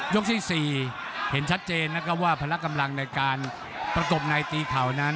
ที่๔เห็นชัดเจนนะครับว่าพละกำลังในการประกบในตีเข่านั้น